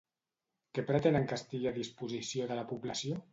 Què pretenen que estigui a disposició de la població?